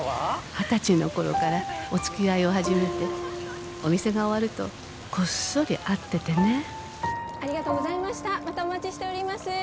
二十歳の頃からおつきあいを始めてお店が終わるとこっそり会っててねありがとうございましたまたお待ちしております